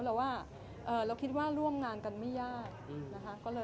เราคิดว่าร่วมงานกันไม่ยาก